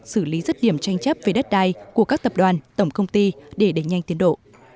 xử lý rứt điểm tranh chấp về đất đai của các tập đoàn tổng công ty để đẩy nhanh tiến độ